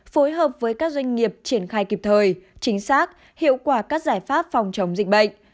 phối hợp với các doanh nghiệp triển khai kịp thời chính xác hiệu quả các giải pháp phòng chống dịch bệnh